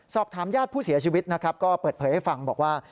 สอบถามญาติผู้เสียชีวิตนะครับก็เปิดเผยให้ฟังบอกว่า